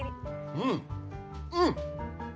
うんうん。